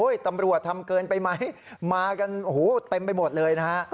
อยู่เฉยเรียกออกมาเอ้ยมึงคุมนี่เอ้ยอยู่เฉยแล้ว